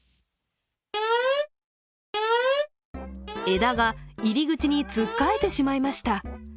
枝が入り口につっかえてしまいました。